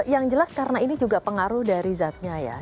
yang jelas karena ini juga pengaruh dari zatnya ya